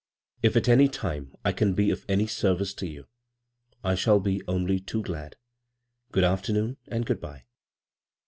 If at any time I can be of any service to you I shall be only too giad. Good afternoon and good t^e."